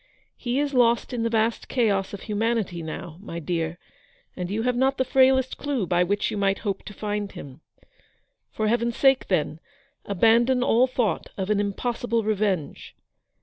He is lost in the vast chaos of humanity now, my dear, and you have not the frailest clue by which you might hope to find him. For Heaven's sake, then, abandon all thought of an impossible revenge.